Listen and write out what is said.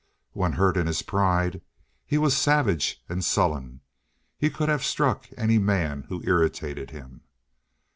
When hurt in his pride he was savage and sullen—he could have struck any man who irritated him.